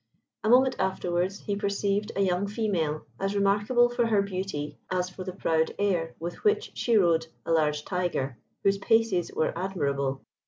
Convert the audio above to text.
A moment afterwards he perceived a young female as remarkable for her beauty as for the proud air with which she rode a large tiger, whose paces were admirable.